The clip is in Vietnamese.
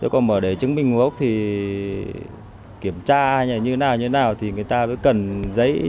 còn để chứng minh một gốc thì kiểm tra như thế nào người ta cũng cần giấy